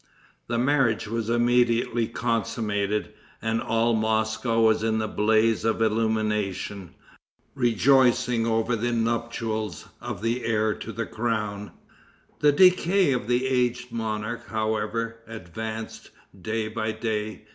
The marriage was immediately consummated, and all Moscow was in a blaze of illumination, rejoicing over the nuptials of the heir to the crown. The decay of the aged monarch, however, advanced, day by day.